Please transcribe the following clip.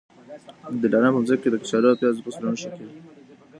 د دلارام په مځکي کي د کچالو او پیازو فصلونه ښه کېږي.